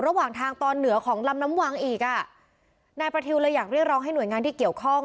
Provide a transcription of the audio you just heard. ระหว่างทางตอนเหนือของลำน้ำวังอีกอ่ะนายประทิวเลยอยากเรียกร้องให้หน่วยงานที่เกี่ยวข้อง